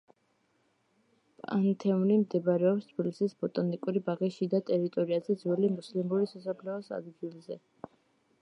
პანთეონი მდებარეობს თბილისის ბოტანიკური ბაღის შიდა ტერიტორიაზე, ძველი მუსლიმური სასაფლაოს ადგილზე.